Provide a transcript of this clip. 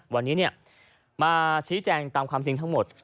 วันนี้มาชี้แจงตามความจริงทั้งหมด